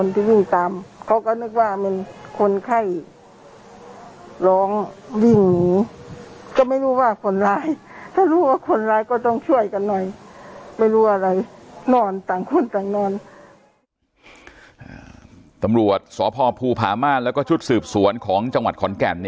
ตำรวจสพภูผาม่านแล้วก็ชุดสืบสวนของจังหวัดขอนแก่น